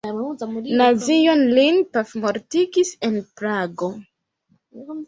Nazioj lin pafmortigis en Prago.